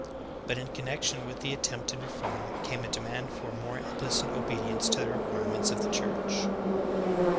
But in connection with the attempted reform came a demand for more implicit obedience to the requirements of the Church.